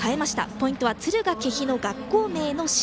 ポイントは敦賀気比の学校名の下。